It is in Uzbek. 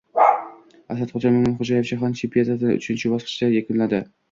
Asadxo‘ja Mo‘ydinxo‘jayev jahon chempionatini uchinchi bosqichda yakunlading